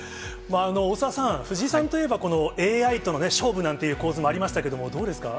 大澤さん、藤井さんといえば、ＡＩとの勝負なんていう構図もありましたけれども、どうですか。